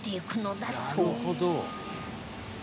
「なるほど」